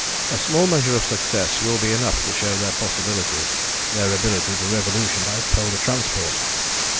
"A small measure of success will be enough to show their possibilities, their ability to revolutionize polar transport.